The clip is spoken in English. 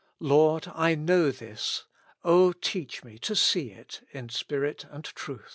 Lord ! I know this : O teach me to see it in spirit and truth.